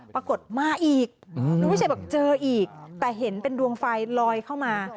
ปรากฏมาอีกลุงวิชัยบอกเจออีกแต่เห็นเป็นดวงไฟลอยเข้ามา